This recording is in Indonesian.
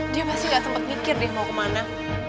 dia pasti gak tempat mikir dia mau kemana